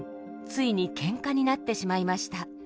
ついにケンカになってしまいました。